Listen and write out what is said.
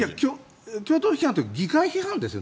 共和党批判というか議会批判ですね。